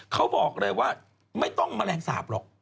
เขาบอกเลยว่าไม่ต้องแมลงสาปหรอก